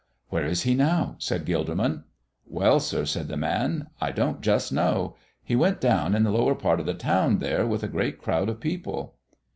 "Where is He now?" said Gilderman. "Well, sir," said the man, "I don't just know. He went down in the lower part of the town, there, with a great crowd of people."